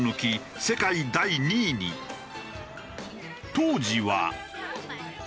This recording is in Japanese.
当時は。